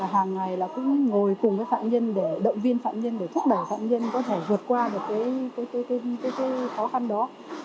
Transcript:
hàng ngày là cũng ngồi cùng với phạm nhân để động viên phạm nhân để thúc đẩy phạm nhân có thể vượt qua được khó khăn đó